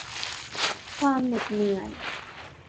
ความเหน็ดเหนื่อย